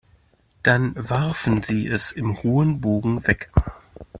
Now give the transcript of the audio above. Dann warfen sie es im hohen Bogen weg.